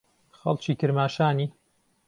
خەڵکی کرماشانی؟